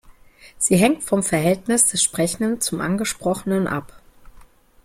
Sie hängt vom Verhältnis des Sprechenden zum Angesprochenen ab.